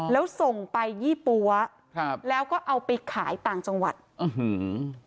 แล้วส่งไปยี่ปั๊วครับแล้วก็เอาไปขายต่างจังหวัดอื้อหือ